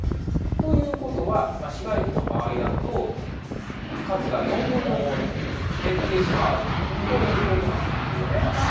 ということは、市街地の場合だと、数が４分の１に減ってしまうということなんですよね。